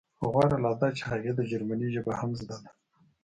غوره لا دا چې هغې ته جرمني ژبه هم زده ده